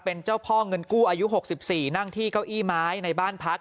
เป็นเจ้าพ่อเงินกู้อายุ๖๔นั่งที่เก้าอี้ไม้ในบ้านพัก